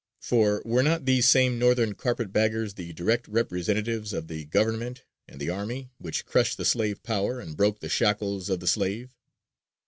For, were not these same Northern carpet baggers the direct representatives of the Government and the Army which crushed the slave power and broke the shackles of the slave?